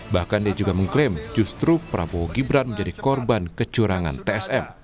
bahkan dia juga mengklaim justru prabowo gibran menjadi korban kecurangan tsm